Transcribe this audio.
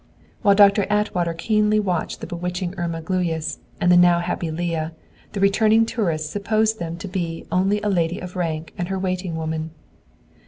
While Doctor Atwater keenly watched the bewitching Irma Gluyas and the now happy Leah, the returning tourists supposed them to be only a lady of rank and her waiting women.